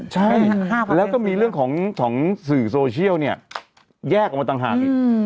ใช่แล้วก็มีเรื่องของสื่อโซเชียลเนี่ยแยกออกมาต่างหากอีก